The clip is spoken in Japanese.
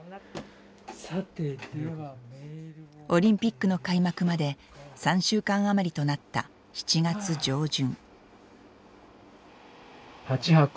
オリンピックの開幕まで３週間余りとなった７月上旬。